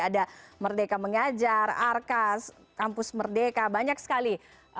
ada merdeka mengajar arkas kampus merdeka banyak sekali